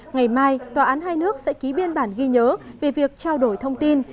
ngày mai tòa án hai nước sẽ ký biên bản ghi nhớ về việc trao đổi thông tin